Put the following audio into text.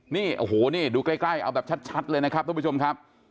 นี่โอ้โหนี่ดูใกล้เอาแบบชัดเลยนะครับทุกผู้ชมครับ